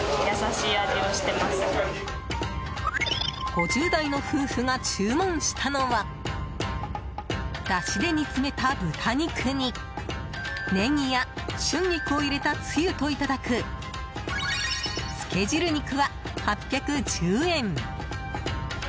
５０代の夫婦が注文したのはだしで煮詰めた豚肉にネギや春菊を入れたつゆといただくつけ汁肉は、８１０円。